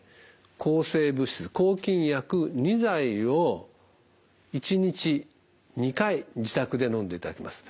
抗生物質抗菌薬２剤を１日２回自宅でのんでいただきます。